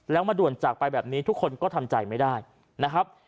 แล้วมาด่วนจากไปแบบนี้ทุกคนก็ทำใจไม่ได้นะครับ